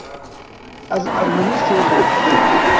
Ez ermenî fêr dibim.